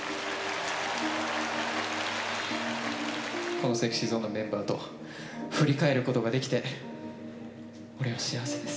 このＳｅｘｙＺｏｎｅのメンバーと振り返ることができて、俺は幸せです。